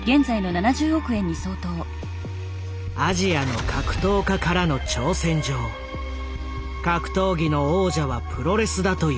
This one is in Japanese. アジアの格闘家からの挑戦状「格闘技の王者はプロレスだ」という挑発。